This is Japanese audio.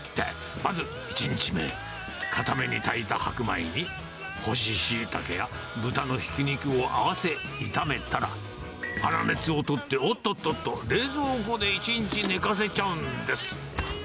まず１日目、硬めに炊いた白米に、干しシイタケや豚のひき肉を合わせ炒めたら、粗熱を取って、おっとっとっと、冷蔵庫で１日寝かせちゃうんです。